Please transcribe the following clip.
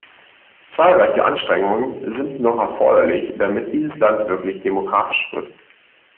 Zahlreiche Anstrengungen sind noch erforderlich, damit dieses Land wirklich demokratisch wird.